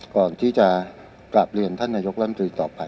ก่อนที่จะกลับเรียนท่านนายกรัฐมนตรีต่อไป